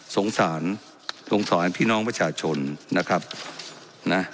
สงสารสงสารพี่น้องประชาชนนะครับนะ